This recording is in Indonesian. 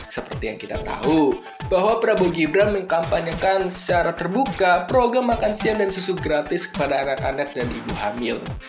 seperti yang kita tahu bahwa prabowo gibran mengkampanyekan secara terbuka program makan siang dan susu gratis kepada anak anak dan ibu hamil